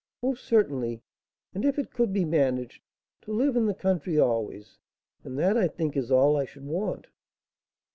"Oh, certainly! And, if it could be managed, to live in the country always. And that, I think, is all I should want."